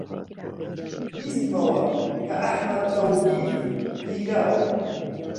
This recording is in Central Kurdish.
بیستمەوە کە ئەحمەد تەوفیق گیراوە